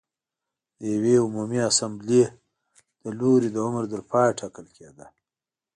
د یوې عمومي اسامبلې له لوري د عمر تر پایه ټاکل کېده